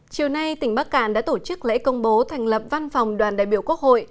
chiều nay tỉnh bắc cạn đã tổ chức lễ công bố thành lập văn phòng đoàn đại biểu quốc hội